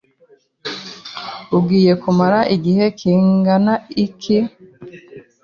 Ugiye kumara igihe kingana iki?